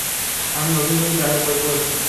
আমি অভিযোগ দায়ের করবোই।